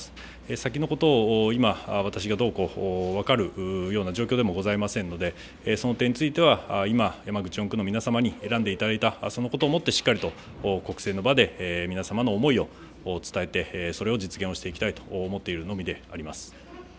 先のことを今、私がどうこう分かるような状況でもございませんのでその点については今、山口４区の皆様に選んでいただいた、そのことをもってしっかりと国政の場で皆様の思いを伝えてそれを実現していきたいと思っているのみであります。